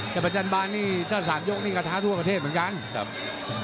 แต่ประจันบานนี่ถ้าสามยกนี่กระทะทั่วประเทศเหมือนกันครับ